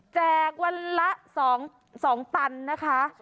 แจกวันละ๒ตันนะคะ